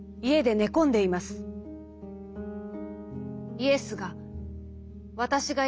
「イエスが」。